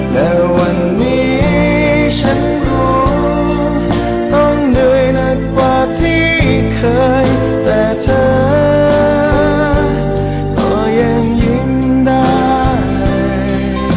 และวันนี้ฉันรู้ต้องเหนื่อยหนักกว่าที่เคยแต่เธอก็ยังยิ้มได้